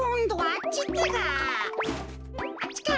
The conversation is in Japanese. あっちか。